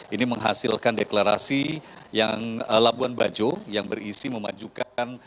ini menghasilkan deklarasi yang labuan bajo yang berisi memajukan